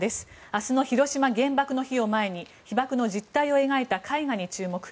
明日の広島、原爆の日を前に被爆の実態を描いた絵画に注目。